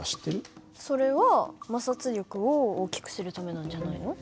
それは摩擦力を大きくするためなんじゃないの？